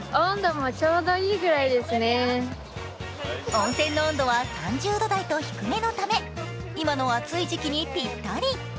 温泉の温度は３０度台と低めのため今の暑い時期にぴったり。